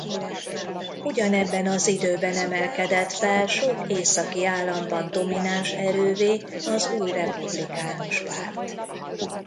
Ugyanebben az időben emelkedett fel sok északi államban domináns erővé az új Republikánus Párt.